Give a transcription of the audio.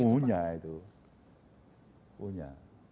punya itu punya